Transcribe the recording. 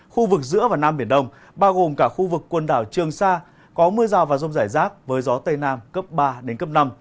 khu vực giữa và nam biển đông bao gồm cả khu vực quần đảo trường sa có mưa rào và rông rải rác với gió tây nam cấp ba đến cấp năm